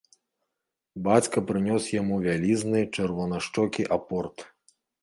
Бацька прынёс яму вялізны чырванашчокі апорт.